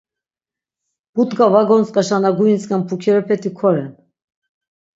Butk̆a va gontzk̆aşa na guintzk̆en pukirepeti koren.